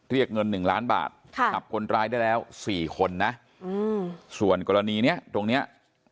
เรียกเงิน๑ล้านบาทจับคนร้ายได้แล้ว๔คนนะส่วนกรณีเนี้ยตรงเนี้ย